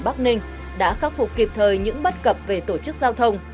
bắc ninh đã khắc phục kịp thời những bất cập về tổ chức giao thông